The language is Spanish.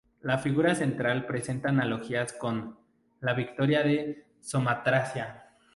La figura central presenta analogías con "La Victoria de Samotracia".